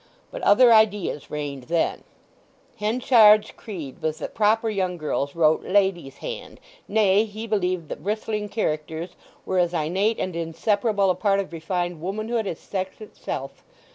But other ideas reigned then: Henchard's creed was that proper young girls wrote ladies' hand—nay, he believed that bristling characters were as innate and inseparable a part of refined womanhood as sex itself.